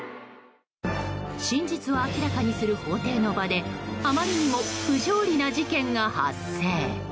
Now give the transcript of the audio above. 真実を明らかにする法廷の場であまりにも不条理な事件が発生。